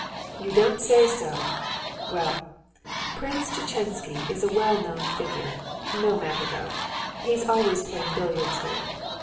"You don't say so! Well, Prince Tchetchensky is a well known figure. No matter, though. He's always playing billiards here.